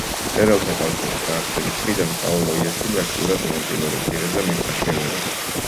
მწერალთა კავშირის დაარსების დღიდან პაოლო იაშვილი აქტიურ მონაწილეობას იღებდა მის საქმიანობაში.